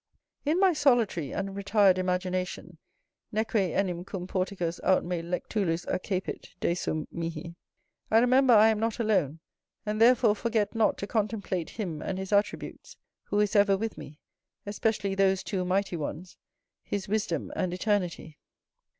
In my solitary and retired imagination ("neque enim cum porticus aut me lectulus accepit, desum mihi"), I remember I am not alone; and therefore forget not to contemplate him and his attributes, who is ever with me, especially those two mighty ones, his wisdom and eternity.